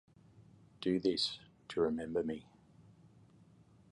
Do this to remember me.